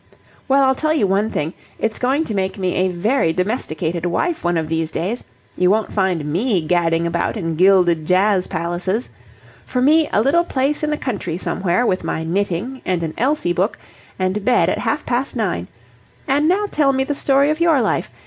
"Well, I'll tell you one thing. It's going to make me a very domesticated wife one of these days. You won't find me gadding about in gilded jazz palaces! For me, a little place in the country somewhere, with my knitting and an Elsie book, and bed at half past nine! And now tell me the story of your life.